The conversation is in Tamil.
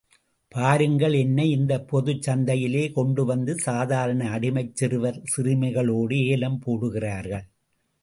பாருங்கள் என்னை இந்தப் பொதுச் சந்தையிலே கொண்டு வந்து சாதாரண அடிமைச் சிறுவர் சிறுமிகளோடு ஏலம் போடுகிறார்கள்.